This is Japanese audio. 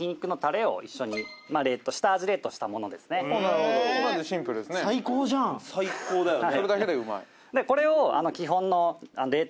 はいなるほどここまでシンプルですね・最高じゃん・最高だよね・